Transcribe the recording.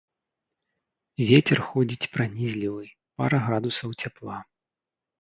Вецер ходзіць пранізлівы, пара градусаў цяпла.